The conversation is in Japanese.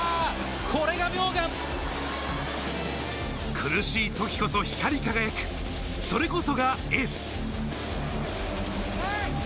苦しい時こそ光り輝く、それこそがエース。